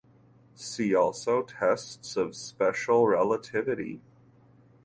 See also Tests of special relativity.